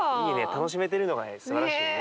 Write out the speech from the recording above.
楽しめてるのがすばらしいね。